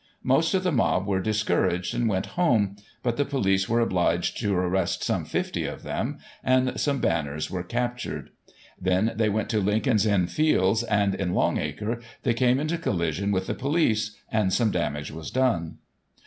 Most of the mob were discouraged^ and went home, but the police were obliged to arrest some 50 of them, and some banners were captured. Then they w^ent to Lincoln's Inn Fields, and in Long Acre, they came into collision with the police, and some damage was done.